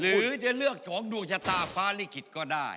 หรือจะเลือก๒ดวงชะตาฟ้าลิขิตก็ได้